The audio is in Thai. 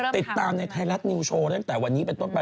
ติดตามในไทยรัฐนิวโชว์ตั้งแต่วันนี้เป็นต้นไป